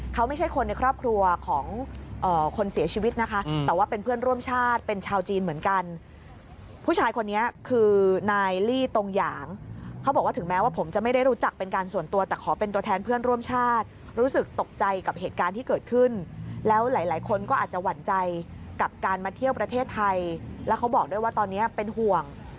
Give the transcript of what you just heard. เขาไม่ใช่คนในครอบครัวของคนเสียชีวิตนะคะแต่ว่าเป็นเพื่อนร่วมชาติเป็นชาวจีนเหมือนกันผู้ชายคนนี้คือนายลี่ตรงหยางเขาบอกว่าถึงแม้ว่าผมจะไม่ได้รู้จักเป็นการส่วนตัวแต่ขอเป็นตัวแทนเพื่อนร่วมชาติรู้สึกตกใจกับเหตุการณ์ที่เกิดขึ้นแล้วหลายหลายคนก็อาจจะหวั่นใจกับการมาเที่ยวประเทศไทยแล้วเขาบอกด้วยว่าตอนนี้เป็นห่วง